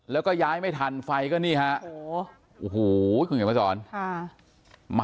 แล้วก็ย้ายไม่ทันไฟก็นี่ฮะโอ้โหคุณเขียนมาสอนค่ะ